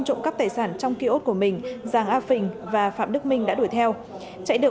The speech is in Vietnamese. trộm cắp tài sản trong kia ốt của mình giang a phình và phạm đức minh đã đuổi theo chạy được